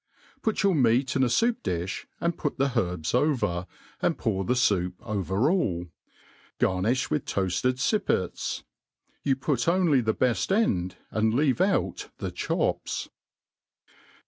Put your meat in a foup dilh, and put the herbs over,^ and pour the foup over all. Garnifti with toafted fippets; You pu^oniy the beft end, an^d leave out the chops.